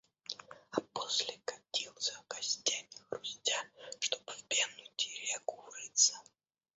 А после катился, костями хрустя, чтоб в пену Тереку врыться.